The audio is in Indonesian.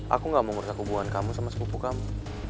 aku gak mau merusak hubungan kamu sama sepupu kamu